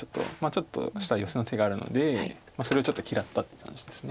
ちょっとしたヨセの手があるのでそれをちょっと嫌ったって感じです。